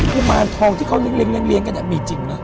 กุมารทองที่เขาเลี้ยงกันมีจริงนะ